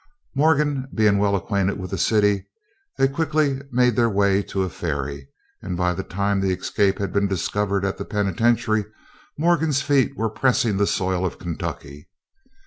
Morgan being well acquainted with the city, they quickly made their way to a ferry, and by the time the escape had been discovered at the penitentiary, Morgan's feet were pressing the soil of Kentucky.